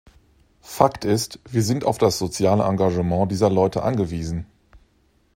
Fakt ist, wir sind auf das soziale Engagement dieser Leute angewiesen.